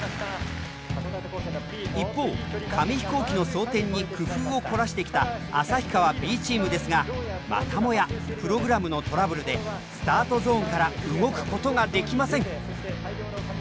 一方紙飛行機の装填に工夫を凝らしてきた旭川Ｂチームですがまたもやプログラムのトラブルでスタートゾーンから動くことができません。